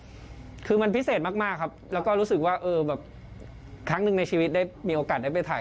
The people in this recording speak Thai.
เรื่องความหล่อครับที่สื่อฮ่องกงยกให้คือหล่อที่สุดในไทย